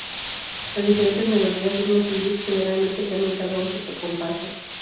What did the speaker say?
Las diferentes melodías, ritmos y beats generalmente cambian cada ocho compases.